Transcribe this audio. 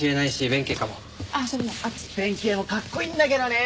弁慶もかっこいいんだけどね。